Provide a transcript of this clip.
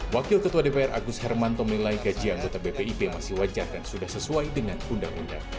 wakil ketua dpr agus hermanto menilai gaji anggota bpip masih wajar dan sudah sesuai dengan undang undang